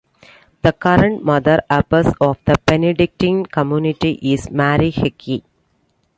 The current Mother Abbess of the Benedictine Community is Marie Hickey.